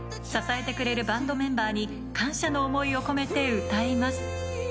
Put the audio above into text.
支えてくれるバンドメンバーに感謝の思いを込めて歌います。